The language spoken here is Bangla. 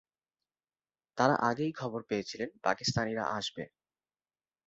তারা আগেই খবর পেয়েছিলেন পাকিস্তানিরা আসবে।